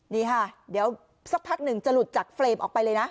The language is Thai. นี่ค่ะเดี๋ยวสักพักหนึ่งจะหลุดจากเฟรมออกไปเลยนะ